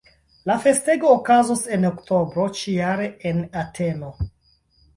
La festego okazos en oktobro ĉi-jare en Ateno.